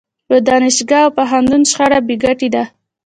په دانشګاه او پوهنتون شخړه بې ګټې ده.